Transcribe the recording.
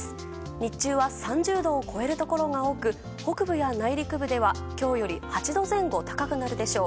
日中は３０度を超えるところが多く北部や内陸部では今日より８度前後高くなるでしょう。